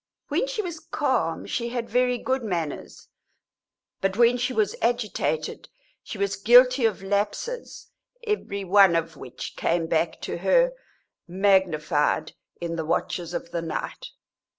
When she was calm she had very good manners, but when she was agitated she was guilty of lapses, every one of which came back to her, magnified, in the watches of the night.